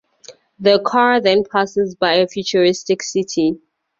The car then passes by a futuristic city.